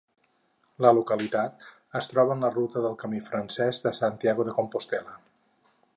La localitat es troba en la ruta del Camí francès de Santiago de Compostel·la.